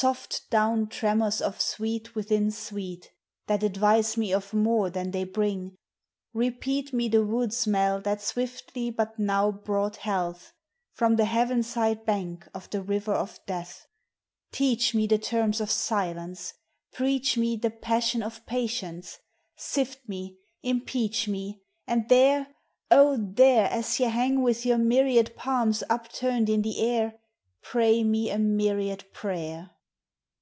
259 Soft down tremors of sweet within sweet, Dhat advise me of more than they bring; repeat lie the woods smell that swiftly but now brought health from the heaven side bank of the river of death; Deaeh me the terms of silence, preach me rhe passion of patience, sift me, impeach me; And there, oh ! there, ^s ye han<r with your myriad palms upturned in the air, Pray me a myriad prayer.